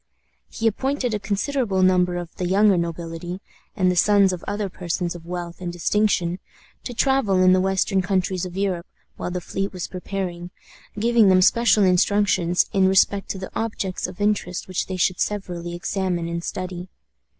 He appointed a considerable number of the younger nobility, and the sons of other persons of wealth and distinction, to travel in the western countries of Europe while the fleet was preparing, giving them special instructions in respect to the objects of interest which they should severally examine and study.